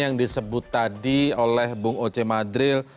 yang disebut tadi oleh bung oce madril